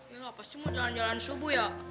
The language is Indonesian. ya apa sih mau jalan jalan subuh ya